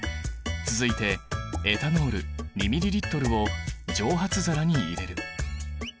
続いてエタノール２ミリリットルを蒸発皿に入れる。